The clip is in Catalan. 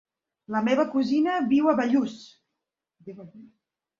La meva cosina viu a Bellús.